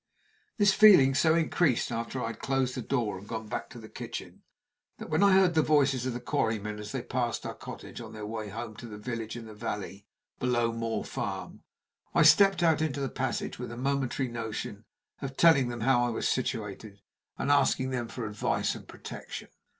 This feeling so increased after I had closed the door and gone back to the kitchen, that, when I heard the voices of the quarrymen as they passed our cottage on their way home to the village in the valley below Moor Farm, I stepped out into the passage with a momentary notion of telling them how I was situated, and asking them for advice and protection.